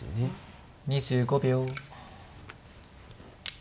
２５秒。